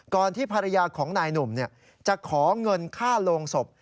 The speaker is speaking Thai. ที่ภรรยาของนายหนุ่มจะขอเงินค่าโรงศพ